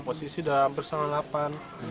posisi udah hampir setengah lapan